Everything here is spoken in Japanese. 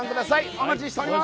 お待ちしておりまーす！